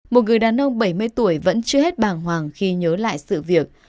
một người đàn ông bảy mươi tuổi vẫn chưa hết bàng hoàng khi nhớ lại sự việc